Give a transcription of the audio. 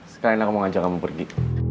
sekalian aku mau ngajak kamu pergi